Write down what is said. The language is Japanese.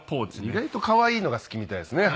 意外と可愛いのが好きみたいですね。